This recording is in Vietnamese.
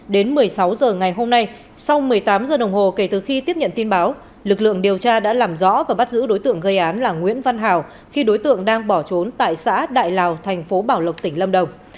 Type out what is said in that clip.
đến một mươi sáu h ngày hôm nay sau một mươi tám h đồng hồ kể từ khi tiếp nhận tin báo lực lượng điều tra đã làm rõ và bắt giữ đối tượng gây án là nguyễn văn hào khi đối tượng đang bỏ trốn tại xã đại lào thành phố bảo lộc tỉnh lâm đồng